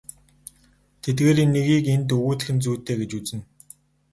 Тэдгээрийн нэгийг энд өгүүлэх нь зүйтэй гэж үзнэ.